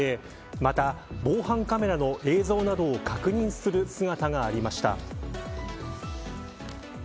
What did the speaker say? また、防犯カメラの映像などを確認する姿がありました。